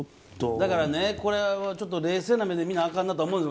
だからね、これは冷静な目で見なあかんなと思うんです